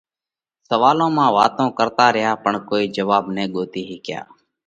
سوئال مانه واتون ڪرتا ريا پڻ ڪوئي جواٻ نہ ڳوتي هيڪيا۔